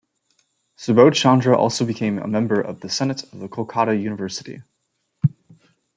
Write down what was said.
Subodhchandra also became a member of the Senate of the kolkatta University.